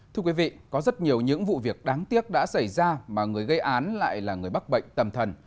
thưa quý vị có rất nhiều những vụ việc đáng tiếc đã xảy ra mà người gây án lại là người mắc bệnh tâm thần